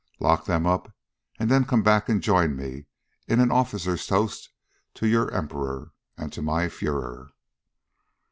Lock them up, and then come back and join me in an officer's toast to your Emperor, and to my Fuehrer."